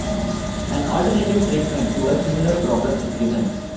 An alternative treatment to a similar problem is given.